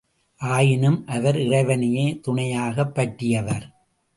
ஆயினும் அவர் இறைவனையே துணையாகப்பற்றியவர்.